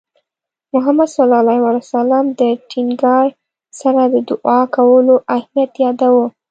محمد صلى الله عليه وسلم د ټینګار سره د دُعا کولو اهمیت یاداوه.